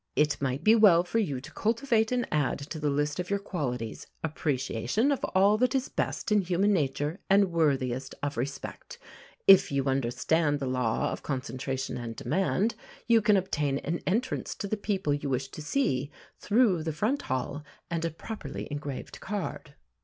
It might be well for you to cultivate and add to the list of your qualities appreciation of all that is best in human nature and worthiest of respect. If you understand the law of concentration and demand, you can obtain an entrance to the people you wish to see, through the front hall and a properly engraved card.